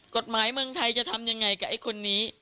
กฎหมายเมืองไทยจะทำยังไงกับไอ้คนนี้